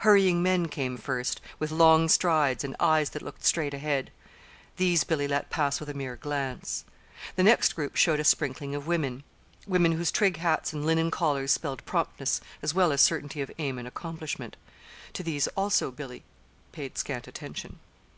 Hurrying men came first, with long strides, and eyes that looked straight ahead. These Billy let pass with a mere glance. The next group showed a sprinkling of women women whose trig hats and linen collars spelled promptness as well as certainty of aim and accomplishment. To these, also, Billy paid scant attention.